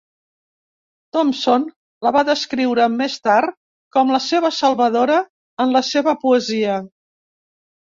Thompson la va descriure més tard com la seva salvadora en la seva poesia .